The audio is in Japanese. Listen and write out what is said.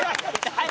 はい！